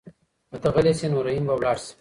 که ته غلی شې نو رحیم به لاړ شي.